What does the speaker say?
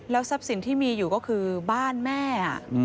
ทรัพย์สินที่มีอยู่ก็คือบ้านแม่